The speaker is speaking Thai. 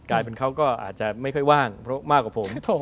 กลายเป็นเขาก็อาจจะไม่ค่อยว่างมากกว่าผม